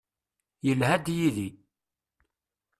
Yelha-d yid-i.